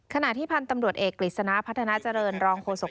ขณะที่พันธุ์ตำรวจเอกกฤษณะพัฒนาเจริญรองโฆษก